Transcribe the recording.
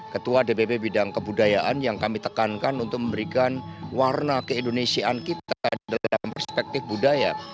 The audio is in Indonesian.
ketua dpp bidang kebudayaan yang kami tekankan untuk memberikan warna keindonesiaan kita dalam perspektif budaya